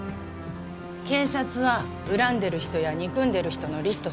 警察は恨んでる人や憎んでる人のリスト作るんでしょ？